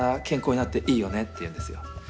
健康になっていいよね」って言うんですよ。